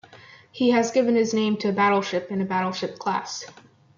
He has given his name to a battleship and a battleship class.